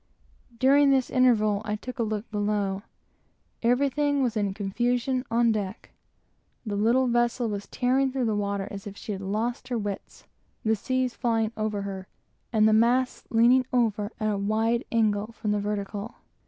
During this interval I took a look below. Everything was in confusion on deck; the little vessel was tearing through the water as if she were mad, the seas flying over her, and the masts leaning over at an angle of forty five degrees from the vertical.